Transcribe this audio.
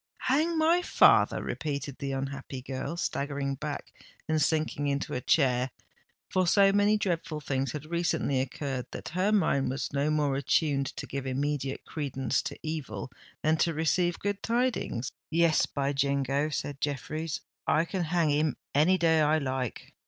"Hang my father!" repeated the unhappy girl, staggering back and sinking into a chair—for so many dreadful things had recently occurred, that her mind was more attuned to give immediate credence to evil than to receive good tidings. "Yes, by jingo!" said Jeffreys: "I can hang him any day I like.